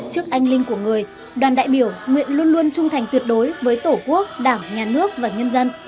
trước anh linh của người đoàn đại biểu nguyện luôn luôn trung thành tuyệt đối với tổ quốc đảng nhà nước và nhân dân